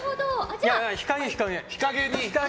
日陰、日陰。